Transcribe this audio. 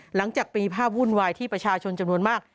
หลังจากปีภาพวุ่นวายที่ประชาชนจำนวนมาก